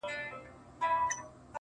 ستا دردونه خو کټ مټ لکه شراب دي-